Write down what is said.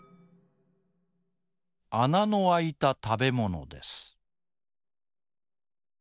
あなのあいたたべものです。